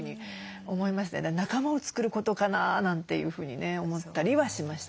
仲間を作ることかななんていうふうにね思ったりはしました。